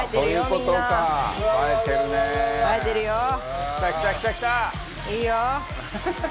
いいよ！